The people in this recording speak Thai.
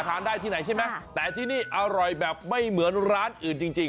ได้ที่ไหนใช่ไหมแต่ที่นี่อร่อยแบบไม่เหมือนร้านอื่นจริง